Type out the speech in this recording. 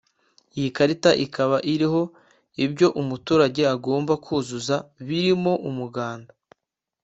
Iyi karita ikaba iriho ibyo umuturage agomba kuzuza birimo umuganda